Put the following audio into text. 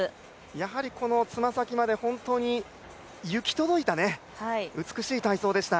やはりつま先まで本当に行き届いた美しい体操でした。